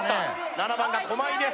７番が駒井です